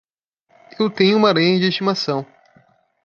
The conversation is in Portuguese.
Eu tenho uma aranha de estimação.